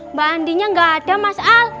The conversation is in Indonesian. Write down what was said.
mbak andi nya gak ada mas al